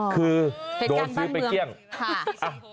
คือโดนเสื้อไปเกลี้ยงเหตุการณ์บ้านเมือง